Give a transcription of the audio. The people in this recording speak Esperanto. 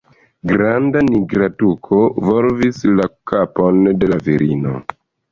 Granda nigra tuko volvis la kapon de la virino.